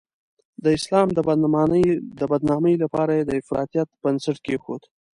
د اسلام د بدنامۍ لپاره یې د افراطیت بنسټ کېښود.